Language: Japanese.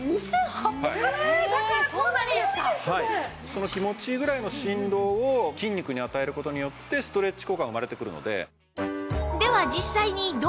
その気持ちいいぐらいの振動を筋肉に与える事によってストレッチ効果が生まれてくるので。